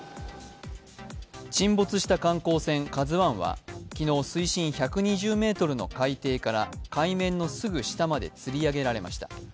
沈没した観光船、「ＫＡＺＵⅠ」は昨日、水深１２０ｍの海底から海面のすぐ下までつり上げられました。